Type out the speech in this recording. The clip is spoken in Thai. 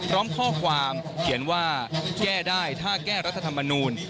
พร้อมข้อความเขียนว่าแก้ได้ถ้าแก้รัฐธรรมนูล